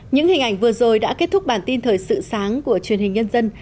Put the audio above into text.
những hình ảnh vừa rồi đã kết thúc bản tin thời sự sáng của truyền hình nhân dân